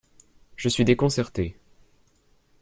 Je suis déconcerté.